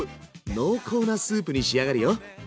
濃厚なスープに仕上がるよ。